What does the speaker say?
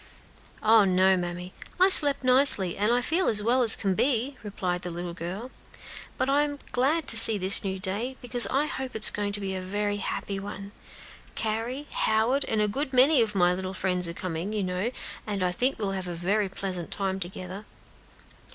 "Oh, no, mammy! I slept nicely, and feel as well as can be," replied the little girl; "but I am glad to see this new day, because I hope it is going to be a very happy one. Carry Howard, and a good many of my little friends are coming, you know, and I think we will have a very pleasant time together."